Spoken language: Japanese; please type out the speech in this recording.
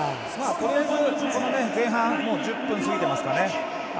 とりあえず前半もう１０分を過ぎてますかね。